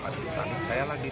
pas itu ada di tanah saya lagi